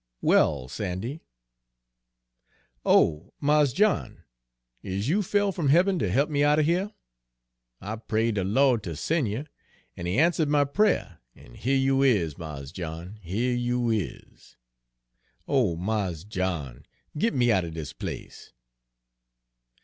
"Well, Sandy!" "Oh, Mars John! Is you fell from hebben ter he'p me out er here? I prayed de Lawd ter sen' you, an' He answered my prayer, an' here you is, Mars John, here you is! Oh, Mars John, git me out er dis place!"